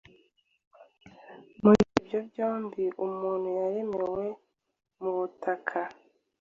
Muri ibyo byombiumuntu yaremewe mu butaka